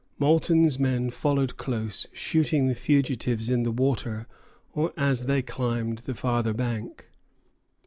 Moulton's men followed close, shooting the fugitives in the water or as they climbed the farther bank.